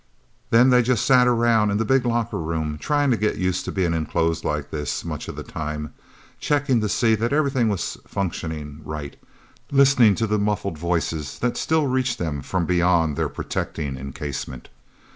Then they just sat around in the big locker room, trying to get used to being enclosed like this, much of the time, checking to see that everything was functioning right, listening to the muffled voices that still reached them from beyond their protecting encasement.